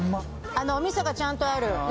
あのおみそがちゃんとある